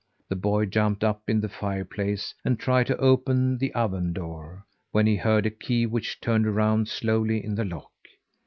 The boy jumped up in the fireplace, and tried to open the oven door, when he heard a key which turned around slowly in the lock.